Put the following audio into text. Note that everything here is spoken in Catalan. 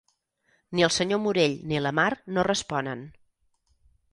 Ni el senyor Morell ni la Mar no responen.